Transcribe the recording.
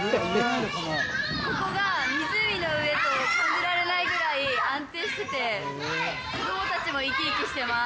ここが湖の上と感じられないぐらい安定してて子供達も生き生きしてます